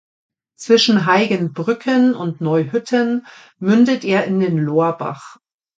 Zwischen Heigenbrücken und Neuhütten mündet er in den Lohrbach.